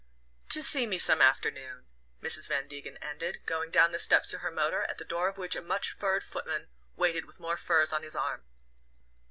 " to see me some afternoon," Mrs. Van Degen ended, going down the steps to her motor, at the door of which a much furred footman waited with more furs on his arm.